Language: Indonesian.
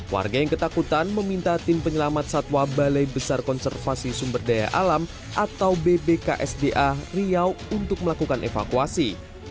warga yang ketakutan meminta tim penyelamat satwa balai besar konservasi sumber daya alam atau bbksda riau untuk melakukan evakuasi